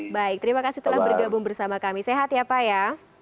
baik terima kasih telah bergabung bersama kami sehat ya pak ya